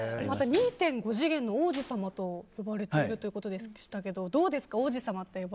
２．５次元の王子様と呼ばれているということでしたけどどうですか？